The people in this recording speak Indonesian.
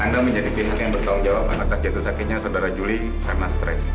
anda menjadi pihak yang bertanggung jawab atas jatuh sakitnya saudara juli karena stres